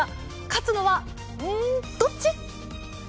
勝つのは、どっち？